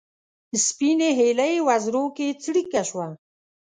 سپینې هیلۍ وزر کې څړیکه شوه